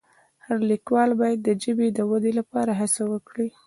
هر لیکوال باید د ژبې د ودې لپاره هڅه وکړي.